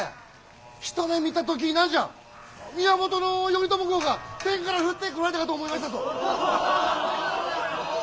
一目見た時何じゃ源頼朝公が天から降ってこられたかと思いましたぞ！